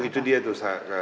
itu dia tuh